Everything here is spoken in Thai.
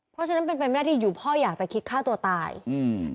เพราะฉะนั้นเป็นไปไม่ได้ที่อยู่พ่ออยากจะคิดฆ่าตัวตายอืม